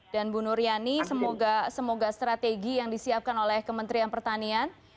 dan bu nur yani semoga strategi yang disiapkan oleh kementerian pertanian